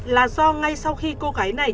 là do ngay sau khi cô gái này